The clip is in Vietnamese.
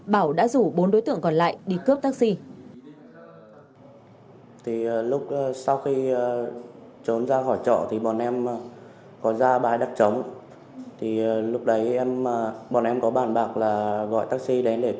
bảo đã rủ bốn đối tượng còn lại đi cướp taxi